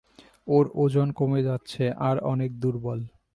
ওর ওজন কমে যাচ্ছে আর অনেক দুর্বল।